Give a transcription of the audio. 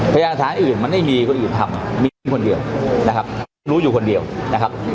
พยายามฐานอื่นมันไม่มีคนอื่นทำมีคนเดียวนะครับรู้อยู่คนเดียวนะครับ